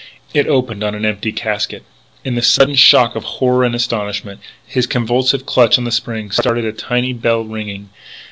It opened on an empty casket. In the sudden shock of horror and astonishment, his convulsive clutch on the spring started a tiny bell ringing.